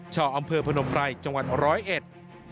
ชาวอำเภอพนมไรจังหวัดร้อยเอ็ด